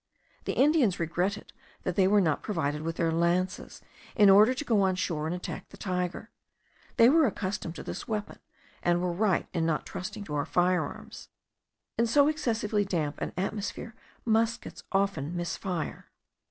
The Indians regretted that they were not provided with their lances, in order to go on shore and attack the tiger. They are accustomed to this weapon, and were right in not trusting to our fire arms. In so excessively damp an atmosphere muskets often miss fire.